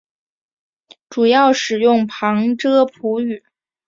主要使用旁遮普语。